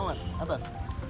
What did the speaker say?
oh mas atas